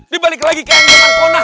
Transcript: dibalik lagi ke aing beg marakona